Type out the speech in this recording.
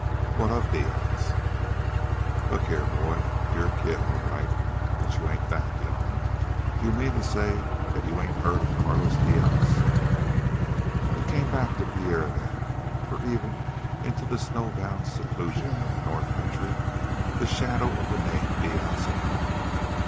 "What of Diaz?" "Look here, boy. You're a kid, all right, but you ain't that young. D'you mean to say that you ain't heard of Carlos Diaz?" It came back to Pierre then, for even into the snowbound seclusion of the north country the shadow of the name of Diaz had gone.